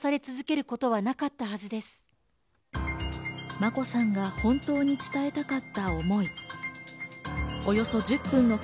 眞子さんが本当に伝えたかっ